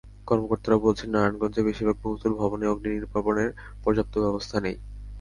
কর্মকর্তারা বলছেন, নারায়ণগঞ্জের বেশির ভাগ বহুতল ভবনেই অগ্নিনির্বাপণের পর্যাপ্ত ব্যবস্থা নেই।